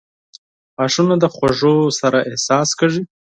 • غاښونه د خوږو سره حساس کیږي.